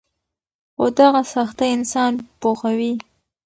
خو دغه سختۍ انسان پوخوي.